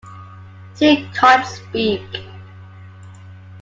See Cards speak.